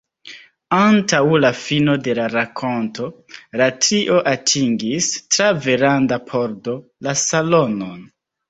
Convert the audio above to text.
Antaŭ la fino de la rakonto, la trio atingis, tra veranda pordo, la salonon.